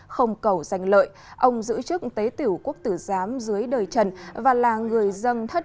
không cầu danh lợi ông giữ chức tế tiểu quốc tử giám dưới đời trần và là người dân thất